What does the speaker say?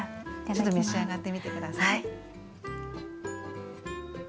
ちょっと召し上がってみて下さい。